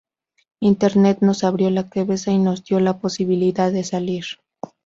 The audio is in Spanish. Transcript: Internet nos abrió la cabeza y nos dio la posibilidad de salir".